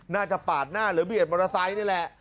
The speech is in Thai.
ปาดหน้าหรือเบียดมอเตอร์ไซค์นี่แหละ